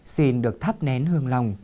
sinh được thắp nén hương lòng